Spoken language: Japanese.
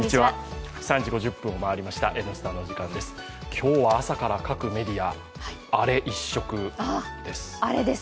今日は朝から各メディアアレ一色です。